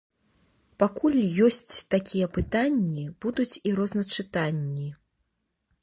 Пакуль ёсць такія пытанні, будуць і розначытанні.